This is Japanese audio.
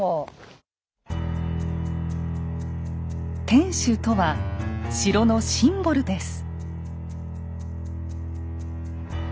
「天守」とは城のシンボルです。